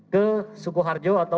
ke suku harjo atau